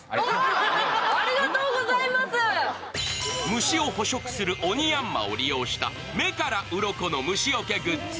虫を捕食するオニヤンマを利用した目から鱗の虫よけグッズ。